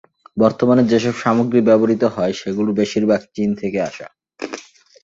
বর্তমানে যেসব সামগ্রী ব্যবহৃত হয়, সেগুলোর বেশির ভাগ চীন থেকে আসা।